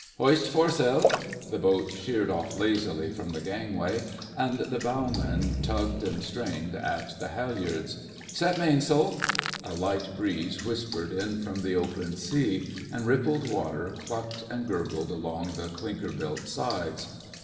"Hoist foresail!" The boat sheered off lazily from the gangway, and the bowmen tugged and strained at the halliards. "Set mainsail!" A light breeze whispered in from the open sea, and the rippled water clucked and gurgled along the clinker built sides.